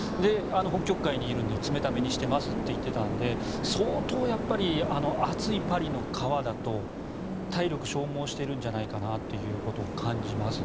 北極海にいるので冷ためにしていますと言っていたので相当、暑いパリの川だと体力消耗しているんじゃないかということを感じます。